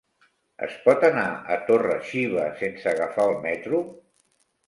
Es pot anar a Torre-xiva sense agafar el metro?